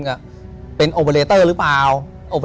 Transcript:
ถูกต้องไหมครับถูกต้องไหมครับ